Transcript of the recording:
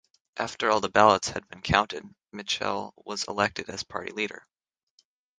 After all the ballots had been counted, Mitchell was elected as party leader.